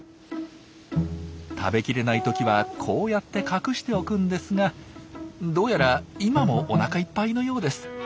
食べきれない時はこうやって隠しておくんですがどうやら今もおなかいっぱいのようです。